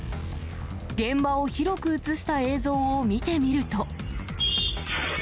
現場を広く写した映像を見てみると。